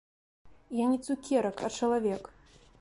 Я не цукерак, а чалавек.